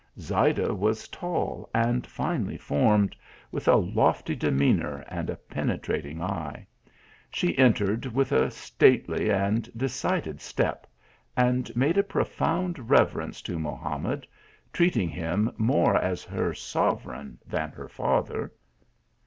Zayda was tall and finely formed, with a lofty de meanour and a penetrating ejs. She entered with a stately and decided step, and made a profound reverence to Mohamed, treating him more as her sovereign than her father.